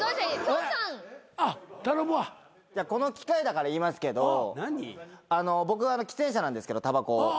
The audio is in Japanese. この機会だから言いますけど僕は喫煙者なんですけどたばこ。